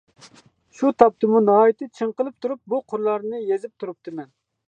شۇ تاپتىمۇ ناھايىتى چىڭقىلىپ تۇرۇپ بۇ قۇرلارنى يېزىپ تۇرۇپتىمەن.